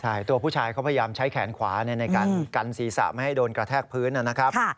ใช่ตัวผู้ชายเขาพยายามใช้แขนขวาในการกันศีรษะไม่ให้โดนกระแทกพื้นนะครับ